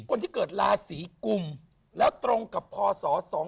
คนที่เกิดราศีกุมแล้วตรงกับพศ๒๕๖